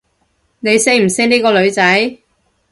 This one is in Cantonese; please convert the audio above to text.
你識唔識呢個女仔？